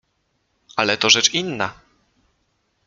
"Ale to rzecz inna."